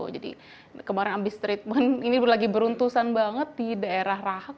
jadi kemarin ambis treatment ini lagi beruntusan banget di daerah rahak